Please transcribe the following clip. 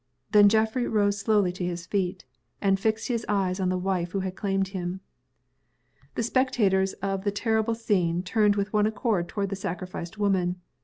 Then Geoffrey rose slowly to his feet, and fixed his eyes on the wife who had claimed him. The spectators of the terrible scene turned with one accord toward the sacrificed woman.